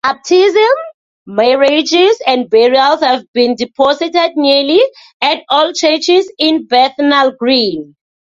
Baptisms, marriages and burials have been deposited nearly at all churches in Bethnal Green.